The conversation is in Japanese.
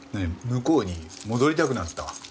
向こうに戻りたくなった？